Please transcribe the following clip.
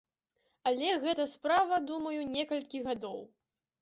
Але гэта справа, думаю, некалькіх гадоў.